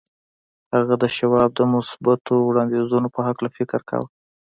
هغه د شواب د مثبتو وړاندیزونو په هکله فکر کاوه